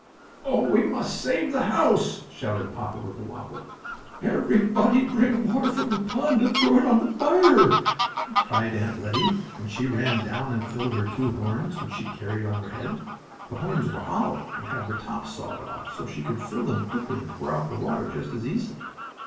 "Oh, we must save the house!" shouted Papa Wibblewobble. "Everybody bring water from the pond and throw it on the fire!" cried Aunt Lettie, and she ran down and filled her two horns, which she carried on her head. The horns were hollow and had the tops sawed off, so she could fill them quickly and pour out the water just as easily.